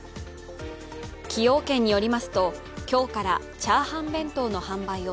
崎陽軒によりますと今日から炒飯弁当の販売を